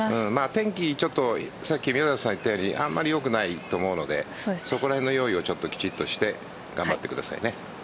天気、ちょっと宮里さんが言ったようにあんまりよくないと思うのでそこらへんの用意をきちんとして頑張ってくださいね。